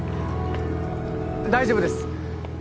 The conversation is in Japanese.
大丈夫です。